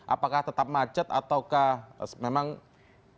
apakah tetap macet atau memang keurangan